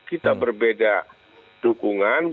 kita berbeda dukungan